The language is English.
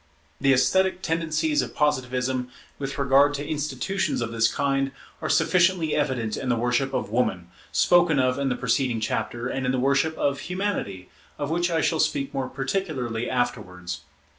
The esthetic tendencies of Positivism, with regard to institutions of this kind, are sufficiently evident in the worship of Woman, spoken of in the preceding chapter, and in the worship of Humanity, of which I shall speak more particularly afterwards.